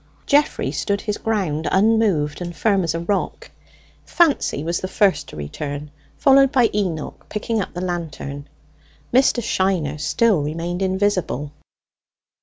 Geoffrey stood his ground, unmoved and firm as a rock. Fancy was the first to return, followed by Enoch picking up the lantern. Mr. Shiner still remained invisible.